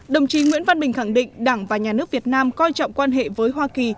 đồng chí nguyễn văn bình khẳng định đảng và nhà nước việt nam coi trọng quan hệ với hoa kỳ